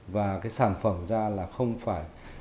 và cái sản phẩm ra là không phải